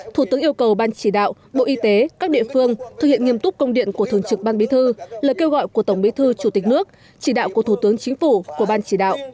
thủ tướng yêu cầu ban chỉ đạo bộ y tế các địa phương thực hiện nghiêm túc công điện của thường trực ban bí thư lời kêu gọi của tổng bí thư chủ tịch nước chỉ đạo của thủ tướng chính phủ của ban chỉ đạo